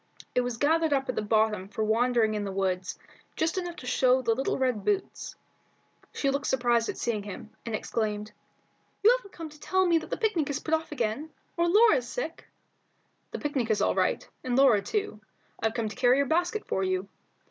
It was gathered up at the bottom for wandering in the woods, just enough to show the little boots. She looked surprised at seeing him, and exclaimed "You haven't come to tell me that the picnic is put off again, or Laura's sick?" "The picnic is all right, and Laura too. I've come to carry your basket for you."